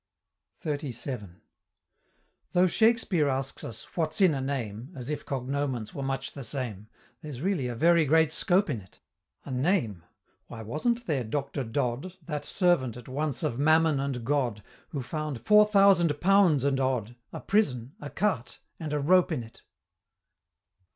XXXVII. Though Shakspeare asks us, "What's in a name?" (As if cognomens were much the same), There's really a very great scope in it. A name? why, wasn't there Doctor Dodd, That servant at once of Mammon and God, Who found four thousand pounds and odd, A prison a cart and a rope in it?